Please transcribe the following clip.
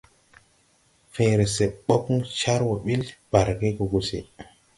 Fęęre sɛ bogn car wɔ bil barge gɔ gùsi.